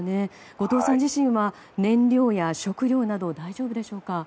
後藤さん自身は燃料や食料など大丈夫でしょうか。